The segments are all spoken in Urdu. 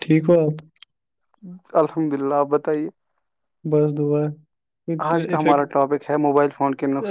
ٹھیک ہو آپ الحمد للہ آپ بتائیے بس دعا ٹ افیکٹ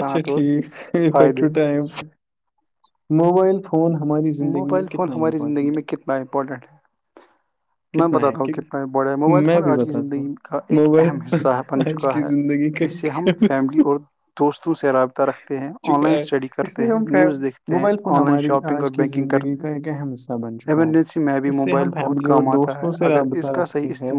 اچھا ٹھیک effect to time mobile phone ہماری زندگی میں کتنا امپارٹنٹ ہے میں بتاتا ہوں کتنا بڑا ہے موبائل فون آج کی زندگی کا ایک اہم حصہ ہے بن چکا ہے اس سے ہم فیملی اور دوستوں سے ررابطہ رکھتے ہیں آن لائن اسٹڈی کرتے ہیں نیوز دیکھتے ہیں آن لائن شاپنگ اور بینکنگ کرتے ہیں کےہم ح سبانھ اس سے ہم فیملی اور دوستوں سے رابطہ رکھتے ہیں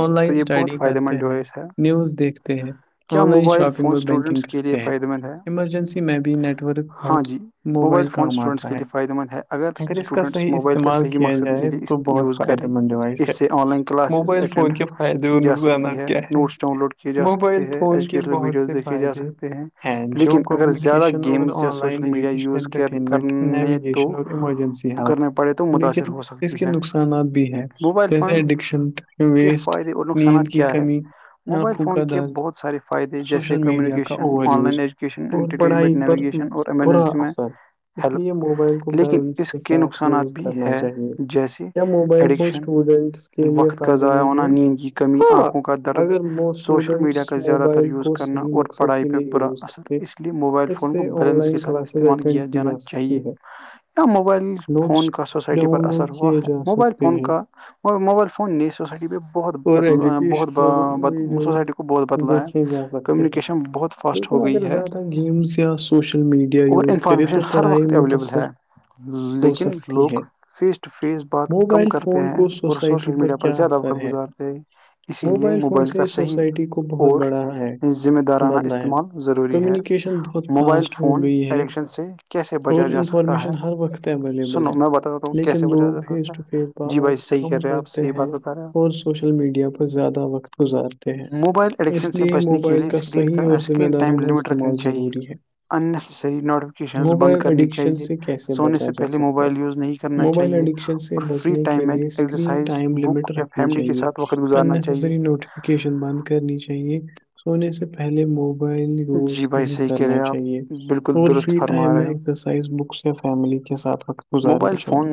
آن لائن اسٹڈی کرتے ہیں نیوز دیکھتے ہیں آن لائن شاپنگ اور بینکنگ کرتے ہیں ایمرجنسی میں بھی نیٹ ورک بہت موبائل کام آتا ہے اگر اس کا صحیح استعمال کیا جائے تو بہت فائدے مند ہوا اسے موبائل فون کے فد فائدے و نقصانات کیا ہے موبائل فون کے بہت سے فائدے جو کمیونیکیشن اور online education entertainment navigation اور ایمرجنسی آپ لیکن اس کے نقصانات بھی ہیں جیسے ایڈکشن ویسٹ نیند کی کمی موبائل فون کے بہت سارے فائدے جیسے communication online education entertainment navigation اور ایمرجنسی میں ہیلو لیکن اس کے نقصان ات بھی ہے جیسے ایڈکشن وقت کا ضائع ہونا نیندگی کا کمی آنکھوں کا درد سوشل میڈیا کا زیادہ تر یوز کرنا اور پڑھائی پہ برا اثر اس لیے موبائل فون کو بیلنس کے ساتھ استعمال کیا جانا چاہیے کہ نہ موبائل فون کا سوسائٹی پر اثر ہوا ہے موبائل فون کا موبائل فون نہیںئی سوسائٹی پہ بہت ب بہت سوسائٹی کو بہت بدلا ہے کمیونیکیشن بہت فاسٹ لک اگر زیادہ تہ گیمزیا سوشل میڈیا یزے تو پڑھائی متاثر لیکن جن لوگ فیس ٹو فیس بات کم کرتے ہیں اور سوشل میڈیا پر زیادہ وقت گزارتے ہیں اسی لیے موبائل کا صحیح اور ذمہ دارانہ استعمال ضروری ہے موبائل فون ایڈکشن سے کیسے بچا جا سکتا ہے سنو میں بتاتاوں کیسے وجہ ج ہے جی بھائی صحیح کرہ رہے آپ صح بات ہو اور سوشل میڈیا پر زیادہ وقت گزارتے ہیں اس لیے موبائل کا صحیح اور ذمہ دارنا استعمال ضروری ہے اننیسیسری نوٹیفکیشنز بند کرنی چاہیے سونی جا سکتا ہے موبائل اڈکشن سے بچنے کے لیے اسکرین ٹائم لمٹ رکھنے چاہیے اننیسسری نوٹ یکیشن بند کرنی چاہیے سونے سے پہلے مو موبل یوز نہیں کرنا چاہیے اور فری ٹائم سائز بک سے فیملی کے ساتھ وقت گزارنا چاہیے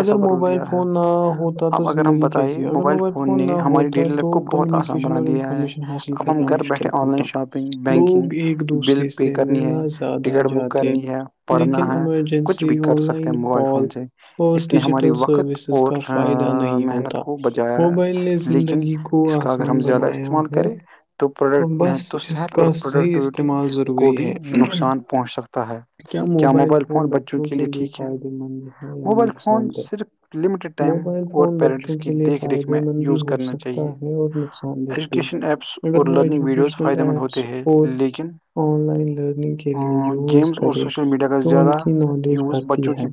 اگر موبائل فون نہ ہوتا تو زندگی کیسی ہو اگر موبائل فون نہ ہوتا تو کمیونیکیشن اور انفارمیشن حاصل کر کرنا مشکل ہوتا لوگ ایک دوسرے سے ملنا زیادہ جاتے لیکن ایمرجنسی آن لائن کال اور ڈیجیٹل سروسز کا فائدہ نہیں ہوتا موبائل نے زندگی کو آسان بنایا ہے اور بس اس کا صحیح استعمال ضروری ہے کیا موبائل فون بچے بچوں کے لیے فائدے مند ہے یا نقصان دہ موبائل فون بچوں کے لیے فائدے مند بھی ہو سکتا ہے اور نقصان دہ بھی ایپس اور لرننگ ویڈیوز فائدے مند ہوتے ہیں لیکن آن لائن لرننگ کے لیے یوز کرے تو ان کی نالج بھرتی ہے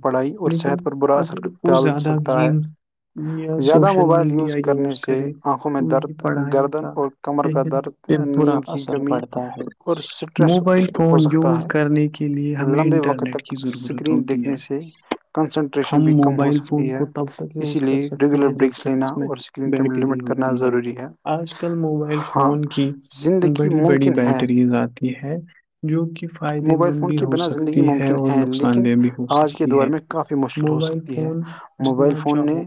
لیکن اگر وہ زیادہ گیم یہ سوشل میڈیا یوز کرے انون کی پڑھائی کا صحت پہ برا اثر پڑتا ہے موبائل فون یوز کرنے کے کے لیے ہمیں انٹرنیٹ کی ضرورت ہوتی ہے ہم موبائل فون کو تب تک یوز کر سکتے ہیں جب تک اس میں بیٹری ہوتی ہے آج کل موبائل فون کی بڑی بڑی بیٹریز آتی ہے جو کہ موبائل فون کی بنا زندگی ممکن ہے لیکن آج کے دور میں کافی مشکل ہو سکتی ہے موبائل فون نے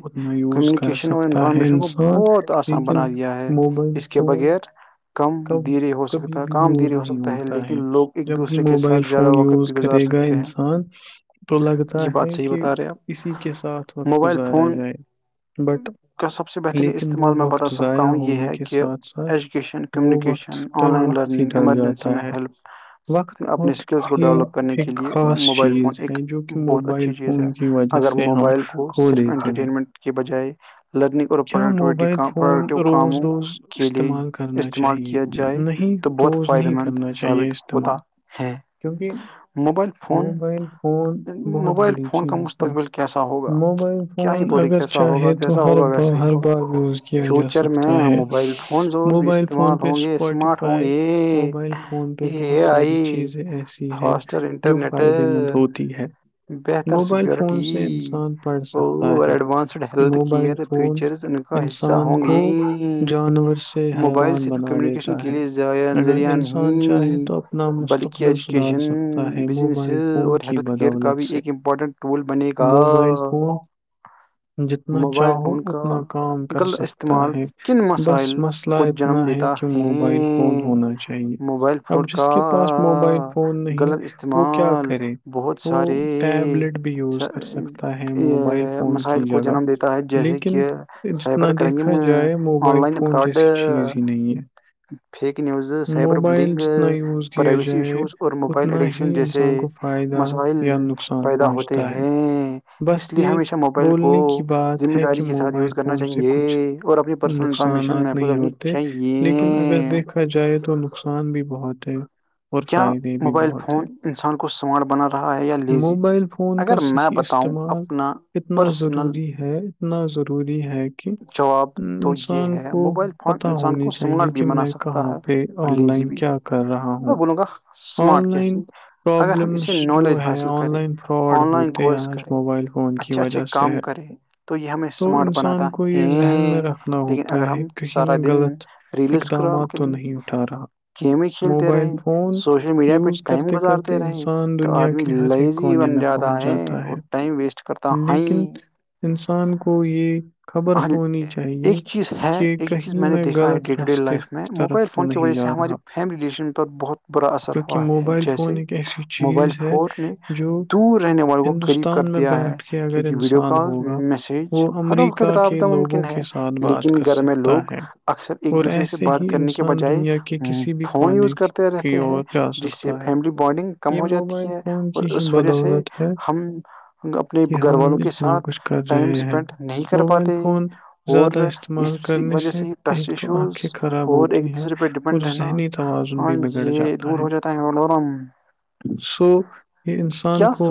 کمیونیکیشن اور انفارمیشن کو بہت آسان بنا دیا ہے اس کے کے بغیر ک کبھی بھی یوز نہیں ہوتا ہے جب موبائل فون یوز کرے گا انسان تو لگتا ہے کہ اسی کے ساتھ وقت گزارا جائے کا سب سے بہترین استعمال میں بتا سکتا ہوں یہ ہے کہ education communication online learning emergency م میں ہیلپ اپنے اسکلس کو ڈیولپ کرنے کے لے موبائل فون ایک بہت اچھی چیز ہے اگر موبائل کو صرف انٹرٹینمنٹ کے بجائے لرننگ کیا موبائل فون روز روز استعمال کرنا چاہیے نہیں روز نہیں کرنا چاہیے استعمال کیونکہ موبائل فون بہت بڑی چیز ہے موبائل فون فون اگر چاہے تو ہر بات ہر بار یوز کیا جا سکتا ہے موبائل فون پہپ ف موبائل فون پہ بہت ساری چیزیں ایسی ہیں جو فائدے مند ہوتی ہے موبائل فون سے انسان پڑھ سکتا ہے موبائل فون انسان کو جانور سے حیوان بنا دیتا ہے اگر انسان چاہے تو اپنا مستقبل سدار سکتا ہے موبائل فون کی بدولت سے موبائل فون جتنا چاہو اتنا کام کر سکتا ہے بس مسئلہ اتنا ہے کہ موبائل فون ہونا چاہیے ائیں گے اب جو جس کے پاس موبائل فون نہیں وہ کیا کرے وہ ٹیبلیٹ بھی یوز کر کر سکتا ہے موبائل فون کی جگہ ہے جیسے کہ cyber crime online fraud fake news cyber بلیگ پرائیویسی ایشوز اور موبائل ایڈکشن جیسے مسائل پیدا ہوتے ہیں اس لیے ہمیشہ موبائل کو ذمہ داری کے ساتھ یوز کرنا چاہیے اور اپنی پرسنل انفارمیشن محظ رکھنی چاہیے دیکھا جائے تو نقصان بھی بہت ہے اور فائدے بھی بہت ہیں موبائل فون فون کا صحیح استعمال اتنا ضروری ہے اتنا ضروری ہے کہ انسان کو پتا ہونی چاہیے کہ میں کہاں پے آن لائن کیا بولوں گا اسمارٹ کیسے اگر ہم اسے نالج حاصل کریں آن لائن کورس کرے اچھے اچھے کام کرے تو یہ ہمیں اسمارٹ بنااتا ہ لیکن اگر ہم سارا دن ریل اسکرال کے لیے گیم کھیلتے رہے سوشل میڈیا پہ ٹائم گزارتے رہے تو آدمی لیزی بن جاتا ہے اور ٹائم ویسٹ کرتا ہ ہیں ایک چیز ہے ایک چیز میں نے دیکھا ہے ڈے ٹو ڈے لائف میں موبائل فون کی وجہ سے ہماری فیملی رلیشن ملب بہت برا اثر ہوا ہے جیسے موبائل فون نے دور رہنے والوں کو قریب کر دیا ہے کیونکہ ویڈیو کال میں ہر وقت رابطہ ممکن ہے لیکن گھر میں لوگ اکثر ایک دوسرے سے بات کرنے کے بجائے فون یوز کر کرتے رہتے ہیں جس سے فیملی بانڈنگ کم ہو جاتی ہے اور اس وجہ سے ہم اپنے گھر وال والوں کے ساتھ ٹائم اسپینڈ نہیں کر پاتے اور اس وجہ سے ہی پریس ایشوز اور ایک دوسرے پہ ڈیپینڈ ہے نا ہاں یہ دور ہو جاتا ہے سو یہ انسان کو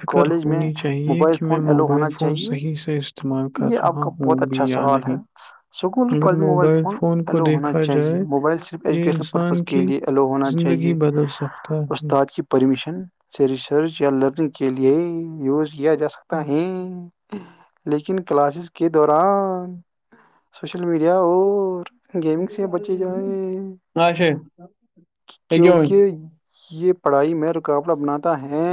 فکر ہونی چاہیے کہ میں موبائل فون ف صحیح سے استعمال کر رہا ہوں بھی یا نہیں اسکول اور کالج میں موبائل فونو ہونا چاہیے موبائل صرف ایجوکیشن پرپز کے لیے اللو ہونا چاہیے استاد کی پ پرمیشن سے ریسرچ یا لرننگ کے لیے یوز کیا جا سکتا ہے لیکن کلاسز کے دوران سوشل میڈیا اور گیمنگس یہ بچے جائیں اھے کیونکہ یہ پڑھائی میں رکاوٹ اپناتا ہے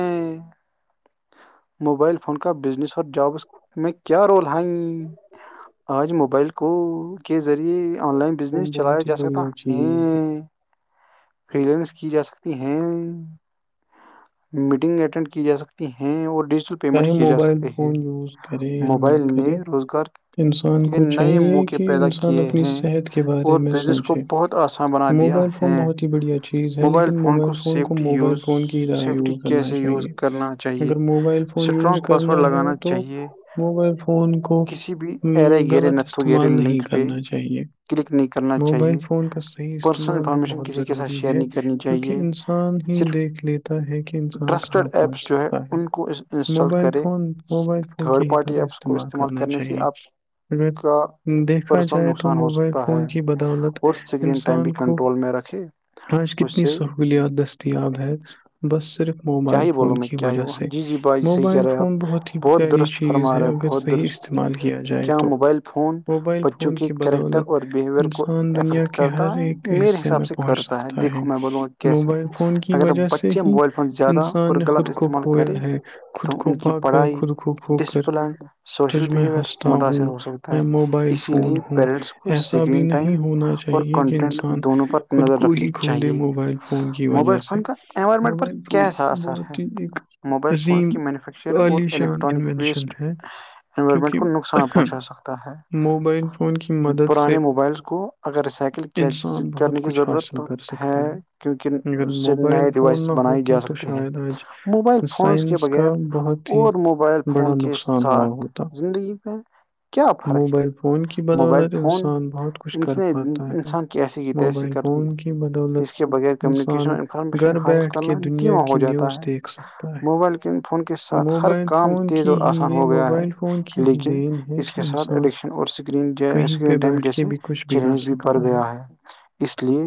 موبائل فون کا بزنس اور جابس میں کیا رول آئ آج موبائل کو کے ذریعے آن لائن بزنس چلایا جا سکتا ہ فریلینس کی جا سکتی ہیں میٹنگ اٹینڈ کی جا سکتی ہیں اور ڈیجیٹل پیمنٹ کیے جا سکتے ہیں موبائل نے روزگار کے کے نئے موقع پیدا کیے ہیں اور بزنس کو بہت آسان بنا دیا ہے ہیں موبائل فون کو سیفٹی یوز سیفٹی کیسے یوز کرنا چاہیے اسٹرانگ پاسورڈ لگانا چاہیے موبائل فون کو غلط استعمال نہیں کرنا چاہیے موبائل فون کا صحیح استعمال بھی بہت ضروری ہے کیونکہ انسان ہی دیکھ لیتا ہے کہ انسان کہاں پہنچ سکتا ہے ہو اسس موبائل فون موبائل فون کی ہی طرح استعمال کرنا چاہیے اگر دیکھا جائے تو موبائل فون کی بدولت انسان کو آج کتنی سہولیات دستیاب ہے بس صرف موبائل فون کی وجہ سے موبائل فون بہت ہی پیاری چیز ہے اگر صحیح استعمال کیا جائے تو موبائل فون کی بدولت انسان دنیا کے ہر ایک حصے میں پہنچ سکتا ہے موبائل فون کی وجہ سے ہی انسان نے خود کو کھویا ہے خود کو پا کر خود کو کھو کر تج میں ہنستا ہوں میں موبائل فون ہوں ایسا بھی نہیں ہونا چاہیے کہ انسان خود کو ہی کھ دے موبائل فون کی وجہ سے موبائل بت بہت ہی ایک عظیم عالیشان انوونشن ہے کیونکہ موبائل فون کی مدد سے انسان بہت کچھ حاص کر سکتا ہے اگر موبائل فون نہ ہوتا تو شاید آج سائنس کا بہت ہی بڑا نقصان ہوا ہوتا موبائل فون کی بدولت انسان بہت کچھ کر پاتا ہے موبائل فون کی بدولت انسان گھر بیٹھ کے دنیا دنیا کیی نیوز دیکھ سا موبائل کے فون کے ساتھ ہر کام تیز اور آسان ہو گیا ہے لیکن اس کے ساتھ اڈکشن اورکری اسکرین ٹائم جیسے چیلنج بھی بھر گیا ہے اس لیے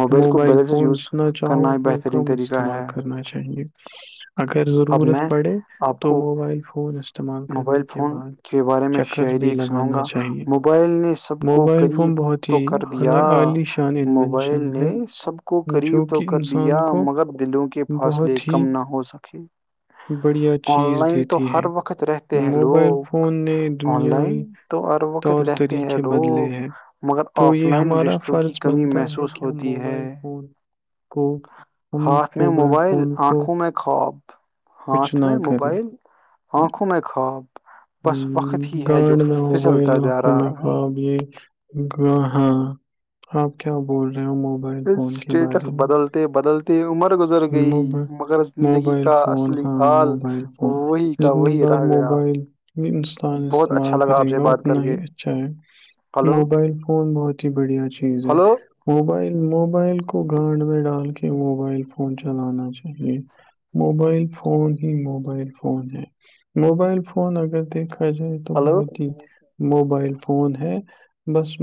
موبائل کو بہلے سے یوز کرنا ایک بہترین طریقہ ہے کرنا چاہیے اگر ضرورت پڑے تو موبائل فون اس موبائل فون کے بارے میں شاعری ایک سناؤں گا موبائل نے سب کو قریب تو کر دیا موبائل نے سب کو قریب تو کر دیا مگر دلوں کے فاصلے کم نہ ہو سکے آن لائن تو ہر وقت رہتے ہیں لوگ آن لائن تو ہر وقت لیتے ہیں لوگ مگر آف لائن رشتوں کی کمی محسوس ہوتی ہے ہاتھ میں موبائل آنکھوں میں خواب ہاتھ میں موبائل آنکھوں میں خواب ہ گاڈ میں ہو گئے لاکھوں میں خواب یہ گ ہاں آپ کیا بول رہے ہو موبائل اسٹیٹیٹس بدلتے بدلتے عمر گزر گئی مگر زندگی کا اصلی حال وہی کا وہی رہ گیا یہ انسان استعمال کرے گا اتنا ہی اچھا ہے موبائل فون بہت ہی بڑھیا چیز ہے موبائل موبائل کو گانڈ میں ڈال کے موبائل فون چلانا چاہیے موبائل فون ہی موبائل فون ہے موبائل فون اگر دیکھا جائے تو تو بہت ہی موبائل فون ہے بس